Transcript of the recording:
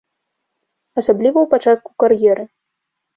Асабліва ў пачатку кар'еры.